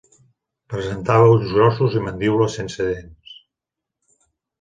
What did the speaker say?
Presentava ulls grossos i mandíbules sense dents.